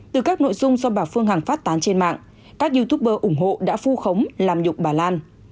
từ các nội dung do bà phương hằng phát tán trên mạng các youtuber ủng hộ đã phu khống làm nhục bà lan